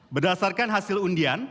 berdasarkan hasil undian